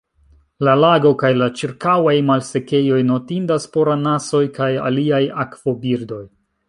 La lago kaj la ĉirkaŭaj malsekejoj notindas por anasoj kaj aliaj akvobirdoj.